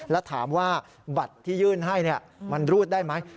แล้วถามว่าบัตรที่ยื่นให้มันรูดได้ไหม